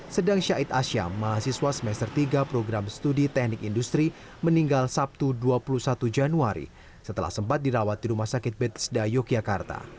sedang syahid asyam mahasiswa semester tiga program studi teknik industri meninggal sabtu dua puluh satu januari setelah sempat dirawat di rumah sakit betisda yogyakarta